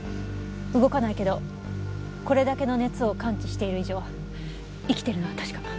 動かないけどこれだけの熱を感知している以上生きているのは確か。